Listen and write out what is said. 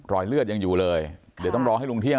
รอยเลือดยังอยู่เลยเดี๋ยวต้องรอให้ลุงเที่ยง